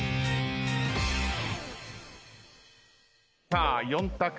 さあ４択。